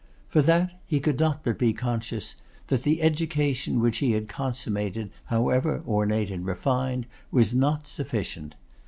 For that, he could not but be conscious that the education which he had consummated, however ornate and refined, was not sufficient.